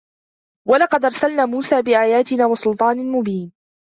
ولقد أرسلنا موسى بآياتنا وسلطان مبين